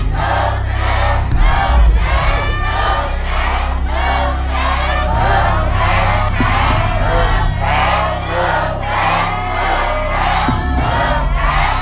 ครูแถวซึ่งเป็นคำตอบที่๔